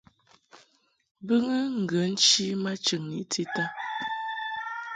Bɨŋɨ ŋgə nchi ma chɨŋni tita.